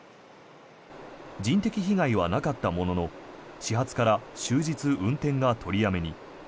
人的被害はなかったものの始発から終日運転が取りやめに。